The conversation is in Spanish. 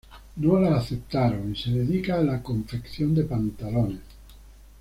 No la aceptaron, y se dedica a la confección de pantalones.